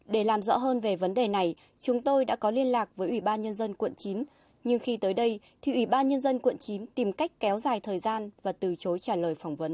để làm rõ hơn về vấn đề này chúng tôi đã có liên lạc với ủy ban nhân dân quận chín nhưng khi tới đây thì ủy ban nhân dân quận chín tìm cách kéo dài thời gian và từ chối trả lời phỏng vấn